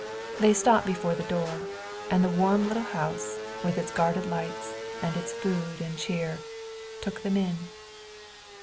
They stopped before the door, and the warm little house, with its guarded lights and its food and cheer, took them in.